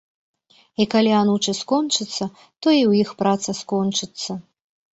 І калі анучы скончацца, то і ў іх праца скончыцца.